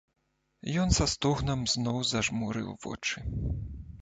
Ён са стогнам зноў зажмурыў вочы.